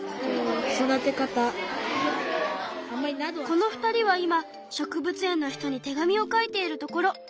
この２人は今植物園の人に手紙を書いているところ。